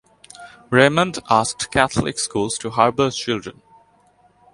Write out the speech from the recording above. Remond asked Catholic schools to harbor children.